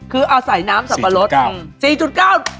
คือเอาใส่น้ำสับปะรด